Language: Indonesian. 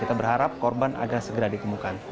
kita berharap korban agar segera ditemukan